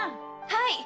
はい！